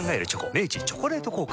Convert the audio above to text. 明治「チョコレート効果」